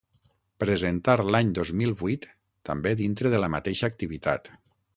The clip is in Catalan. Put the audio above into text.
Presentar l’any dos mil vuit , també dintre de la mateixa activitat.